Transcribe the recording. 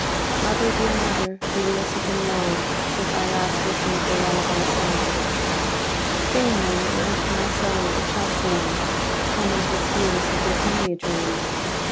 Mother, dear mother, the years have been longSince I last listened your lullaby song:Sing, then, and unto my soul it shall seemWomanhood's years have been only a dream.